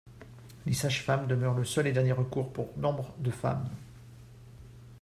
Les sages-femmes demeurent le seul et dernier recours pour nombre de femmes.